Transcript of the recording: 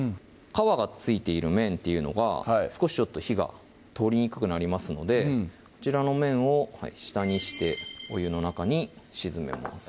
皮が付いている面っていうのが少し火が通りにくくなりますのでこちらの面を下にしてお湯の中に沈めます